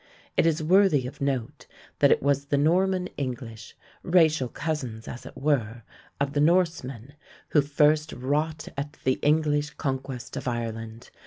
It is worthy of note that it was the Norman English, racial cousins, as it were, of the Norsemen, who first wrought at the English conquest of Ireland.